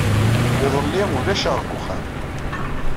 Iḍelli, ulac-aɣ deg uxxam.